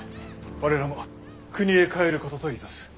我らも国へ帰ることといたす。